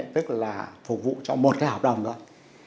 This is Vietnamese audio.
tức là phục vụ cho một cái hợp đồng thôi